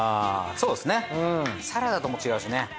そうですねサラダとも違うしね。